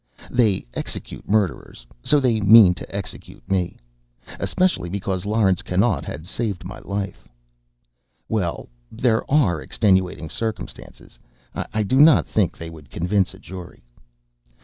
They execute murderers. So they mean to execute me. Especially because Laurence Connaught had saved my life. Well, there are extenuating circumstances. I do not think they would convince a jury.